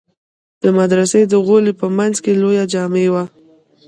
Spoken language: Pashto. د مدرسې د غولي په منځ کښې لويه جامع وه.